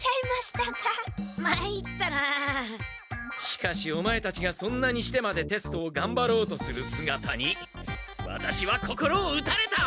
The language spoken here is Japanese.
しかしオマエたちがそんなにしてまでテストをがんばろうとするすがたにワタシは心を打たれた！